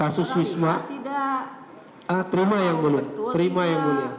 kasus wisma terima yang belum terima yang mulia